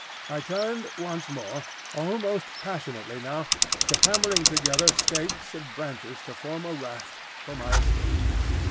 I turned once more, almost passionately now, to hammering together stakes and branches to form a raft for my escape.